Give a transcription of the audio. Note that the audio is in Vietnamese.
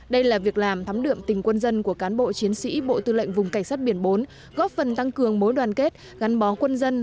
đây là việc làm thắm đượm tình quân dân của cán bộ chiến sĩ bộ tư lệnh vùng cảnh sát biển bốn góp phần tăng cường mối đoàn kết gắn bó quân dân